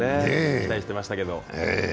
期待してましたけど。